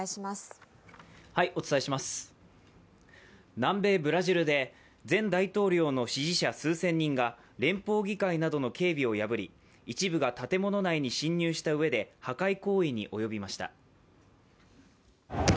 南米ブラジルで前大統領の支持者数千人が連邦議会などの警備を破り一部が建物内に侵入したうえで破壊行為に及びました。